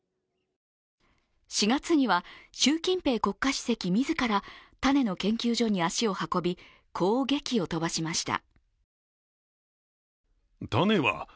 ４月には習近平国家主席自ら種の研究所に足を運び、こう、げきを飛ばしました。